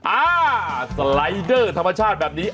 อ่าสไลเดอร์ธรรมชาติแบบนี้